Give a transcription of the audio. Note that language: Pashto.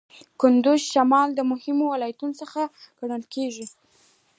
کندز د شمال د مهمو ولایتونو څخه ګڼل کیږي.